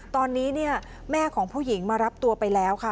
ตอนนี้เนี่ยแม่ของผู้หญิงมารับตัวไปแล้วค่ะ